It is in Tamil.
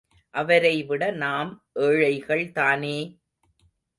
அவரை விட நாம் ஏழைகள் தானே!